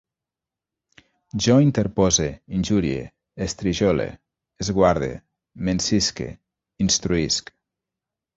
Jo interpose, injurie, estrijole, esguarde, m'encisque, instruïsc